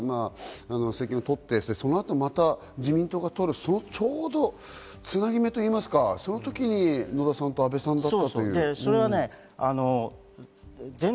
政権交代で民主党が取ってまた自民党が取る、そのちょうど、つなぎ目といいますか、その時に野田さんと安倍さんだったという。